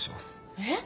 えっ？